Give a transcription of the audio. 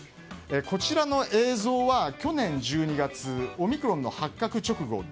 こちらの映像は去年１２月オミクロンの発覚直後